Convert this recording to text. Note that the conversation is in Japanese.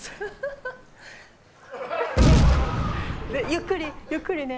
ゆっくりゆっくりね。